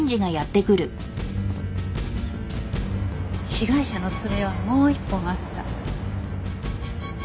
被害者の爪はもう１本あった。